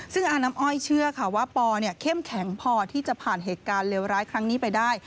ซึ่งอาน้ำอ้อยเชื่อค่ะว่าปอเข้มแข็งพอที่จะผ่านเหตุการณ์เลวร้ายครั้งนี้ไปได้